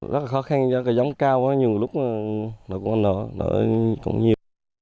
rất là khó khăn do giống cao nhiều lúc mà bà con đó cũng nhiều